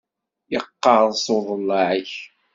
Yeqqereṣ uḍellaɛ-ik!